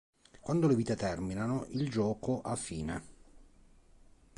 Quando le vite terminano il gioco ha fine.